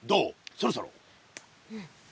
そろそろ。